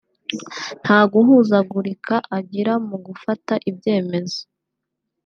nta guhuzagurika agira mu gufata ibyemezo